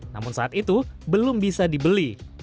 namun saat itu belum bisa dibeli